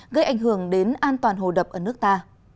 gây ảnh hưởng đến an toàn hồ đập ở nước ta